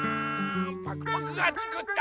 パクパクがつくった